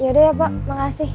yaudah ya pak makasih